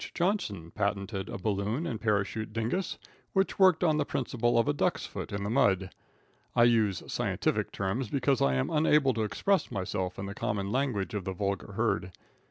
Johnson patented a balloon and parachute dingus which worked on the principle of a duck's foot in the mud. I use scientific terms because I am unable to express myself in the common language of the vulgar herd.